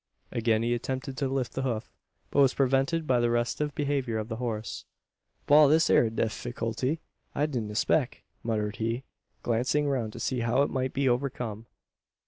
Again he attempted to lift the hoof, but was prevented by the restive behaviour of the horse. "Wal, this air a difeequilty I didn't expeck," muttered he, glancing round to see how it might be overcome.